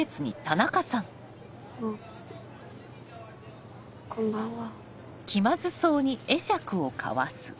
あっこんばんは。